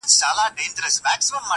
د زړه کور کي مي جانان په کاڼو ولي,